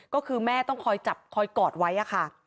ก็คือแม่ต้องคอยจับคอยกอดไว้ค่ะ